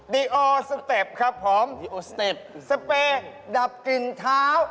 นี่เจ้องอฟปลา